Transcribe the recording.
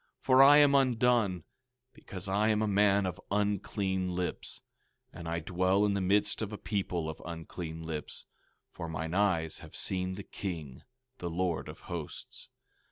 for I am undone; because I am a man of unclean lips; and I dwell in the midst of a people of unclean lips; for mine eyes have seen the King, the Lord of Hosts.